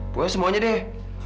pokoknya semuanya deh